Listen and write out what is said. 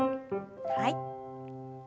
はい。